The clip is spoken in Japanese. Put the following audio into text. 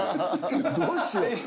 どうしよう。